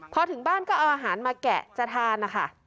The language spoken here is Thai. พอถึงบ้านก็เอาอาหารมาแกะจะทานนะคะ